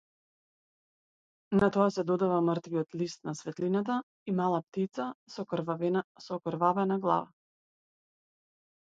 На тоа се додава мртвиот лист на светлината и мала птица со окрвавена глава.